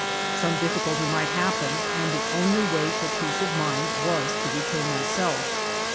Some difficulty might happen, and the only way for peace of mind was to return myself.